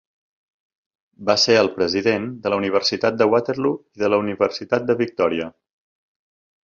Va ser el president de la Universitat de Waterloo i de la Universitat de Victòria.